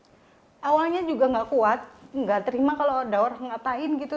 jadi awalnya juga nggak kuat nggak terima kalau ada orang ngatain gitu